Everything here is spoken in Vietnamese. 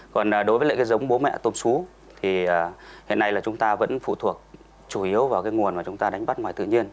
còn đối với giống bú mẹ tôm xú hiện nay chúng ta vẫn phụ thuộc chủ yếu vào nguồn mà chúng ta đánh bắt ngoài tự nhiên